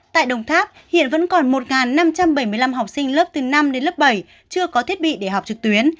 tại đồng tháp hiện vẫn còn một năm trăm bảy mươi năm học sinh lớp từ năm đến lớp bảy chưa có thiết bị để học trực tuyến